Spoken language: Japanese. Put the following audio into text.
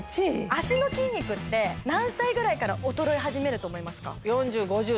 脚の筋肉って何歳ぐらいから衰え始めると思いますか？